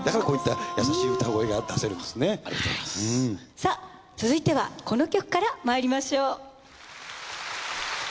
さぁ続いてはこの曲からまいりましょう。